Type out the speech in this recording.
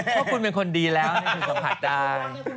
เพราะคุณเป็นคนดีแล้วคุณสัมผัสได้